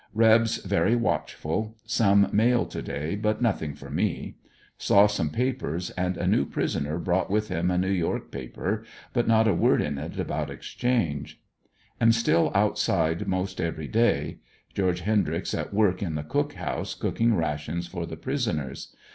Rebs very watchful. Some mail to day but nothing for me. Saw some papers, and a new prisoner brought with him a New York paper, but not a word in it about * 'exchange." Am still outside most every day. Geo. Hendryx at work in the cook house cooking rations for the prisoners.